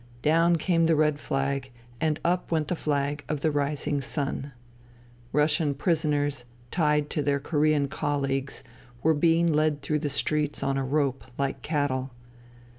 Down came the red flag and up went the flag of the Rising Sun. Russian prisoners tied to their Korean colleagues were being led through the streets on a rope, like cattle.